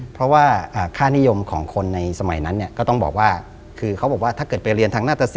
เพราะว่าค่านิยมของคนในสมัยนั้นเนี่ย